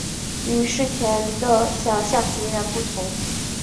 与事前的想像截然不同